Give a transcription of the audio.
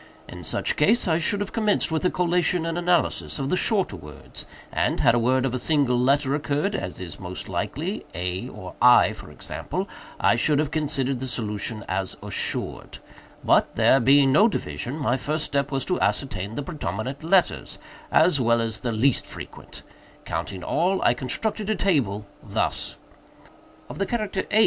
In such case I should have commenced with a collation and analysis of the shorter words, and, had a word of a single letter occurred, as is most likely, (a or I, for example,) I should have considered the solution as assured. But, there being no division, my first step was to ascertain the predominant letters, as well as the least frequent. Counting all, I constructed a table, thus: Of the character 8 there are 33. ;" 26. 4 " 19. ‡)" 16. *" 13. 5 " 12.